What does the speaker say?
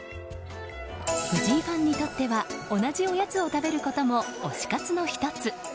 藤井ファンにとっては同じおやつを食べることも推し活の１つ。